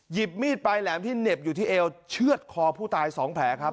หยิบมีดไปแหลมที่เหน็บอยู่ที่เอลเชื่อดคอผู้ตายสองแผลครับ